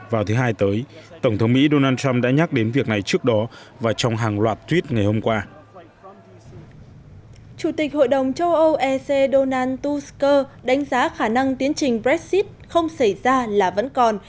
chủ tịch hội đồng châu âu e c donald tusker đánh giá khả năng tiến trình brexit không xảy ra là vẫn còn